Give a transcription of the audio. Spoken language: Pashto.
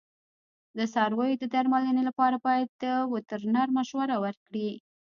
د څارویو د درملنې لپاره باید وترنر مشوره ورکړي.